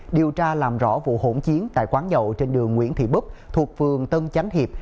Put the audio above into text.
điều tra làm rõ vụ hỗn chiến tại quán dậu trên đường nguyễn thị bức thuộc vườn tân chánh hiệp